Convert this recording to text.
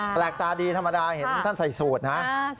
แปลกตาดีธรรมดาเห็นท่านใส่สูตรนะ